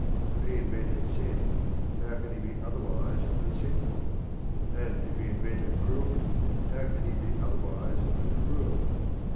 If he invented sin how can he be otherwise than sinful? And if he invented cruelty how can he be otherwise than cruel?